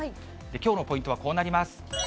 きょうのポイントはこうなります。